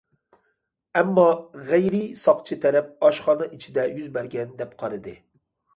ئەمما غەيرىي ساقچى تەرەپ ئاشخانا ئىچىدە يۈز بەرگەن دەپ قارىدى.